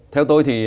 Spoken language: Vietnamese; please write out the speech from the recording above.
theo tôi thì